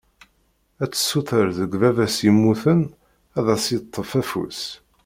Ad tessuter deg baba-s yemmuten ad as-yeṭṭef afus.